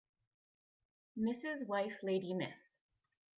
Mrs. wife lady Miss